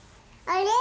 あれ？